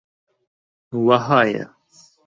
وەهایە: